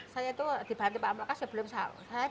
saya tuh dibantu pak amroklas apaa ya belum siap